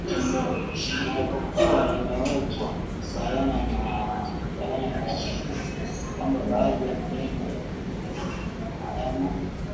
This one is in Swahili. Ijapokuwa imewekwa bayana na watafiti kwamba baadhi ya maneno ya Kiingereza hayana